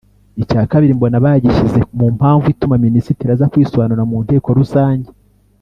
Icya kabiri mbona bagishyize mu mpamvu ituma Minisitiri aza kwisobanura mu Nteko rusange